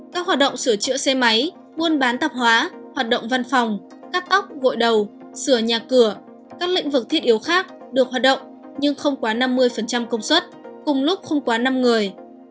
các hoạt động sửa chữa xe máy buôn bán tạp hóa hoạt động văn phòng cắt cóc gội đầu sửa nhà cửa các lĩnh vực thiết yếu khác được hoạt động nhưng không quá năm mươi công suất cùng lúc không quá năm người